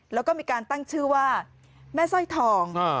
แล้วก็มีการตั้งชื่อว่าแม่สร้อยทอง